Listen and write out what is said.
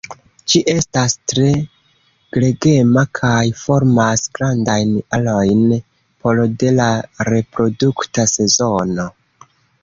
Ĝi estas tre gregema kaj formas grandajn arojn for de la reprodukta sezono.